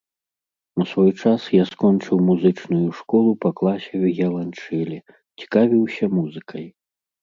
У свой час я скончыў музычную школу па класе віяланчэлі, цікавіўся музыкай.